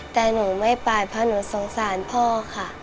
แต่หนูไม่ไปเพราะหนูสงสารพ่อค่ะ